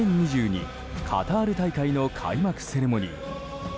カタール大会の開幕セレモニー。